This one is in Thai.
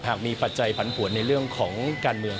หากมีปัจจัยผันผวนในเรื่องของการเมือง